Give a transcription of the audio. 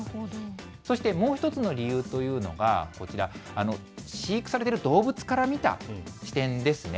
そしてもう１つの理由というのがこちら、飼育されてる動物から見た視点ですね。